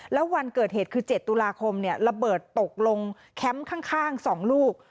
แล้ววันเกิดเหตุคือ๗ตุลาคมระเบิดตกลงแคมป์ข้าง๒ลูก